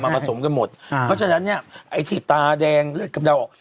เพราะฉะนั้นไอ้ถีปตาแดงเลือดกำเดาออก